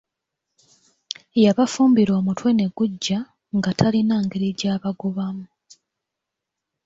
Yabafumbira omutwe ne guggya, nga talina ngeri gy'abagobamu